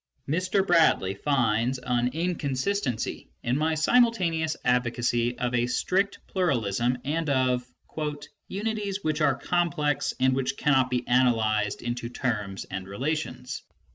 Mr. Bradley finds an inconsistency in my simultaneous advocacy of a strict pluralism and of " unities which are complex and which cannot be analysed into terms and relations